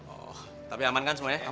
oh tapi aman kan semuanya ya